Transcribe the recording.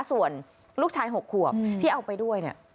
ส่วนลูกชาย๖ขวบที่เอาไปด้วยเนี่ย